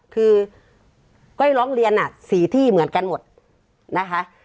คือก้อยร้องเรียน๔ที่เหมือนกันหมดนะคะ